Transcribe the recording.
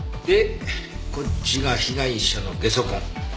でこっちが被害者のゲソ痕。